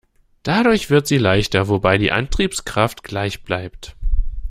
Dadurch wird sie leichter, wobei die Antriebskraft gleich bleibt.